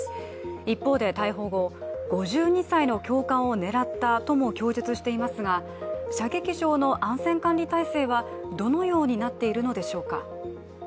一方で逮捕後、５２歳の教官を狙ったとも供述していますが、射撃場の安全管理体制はどのようになっているのでしょうか。